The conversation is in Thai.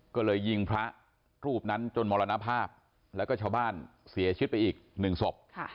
ก็เลยยิงพระรูปนั้นจนมรณภาพแล้วก็ชาวบ้านเสียชีวิตไปอีกหนึ่งศพ